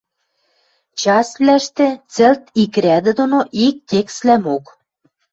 Частьвлӓштӹ цӹлт ик рӓдӹ доно ик текствлӓмок